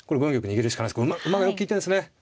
馬がよく利いてるんですね。